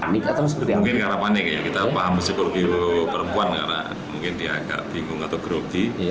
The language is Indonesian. mungkin karena panik ya kita paham psikolog perempuan karena mungkin dia agak bingung atau grogi